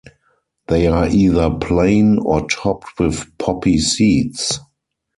They are either plain or topped with poppy seeds.